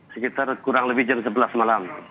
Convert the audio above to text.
sekitar kurang lebih jam sebelas malam